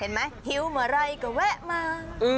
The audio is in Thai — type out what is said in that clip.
เห็นไหมหิวเมื่อไหร่ก็แวะมา